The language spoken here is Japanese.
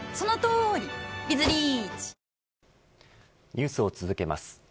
ニュースを続けます。